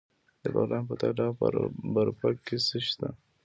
د بغلان په تاله او برفک کې څه شی شته؟